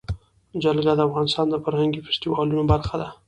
جلګه د افغانستان د فرهنګي فستیوالونو برخه ده.